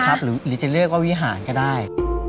หรือจะเรียกว่าวิหารก็ได้